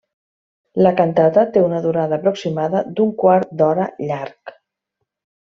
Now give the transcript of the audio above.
La cantata té una durada aproximada d'un quart d'hora llarg.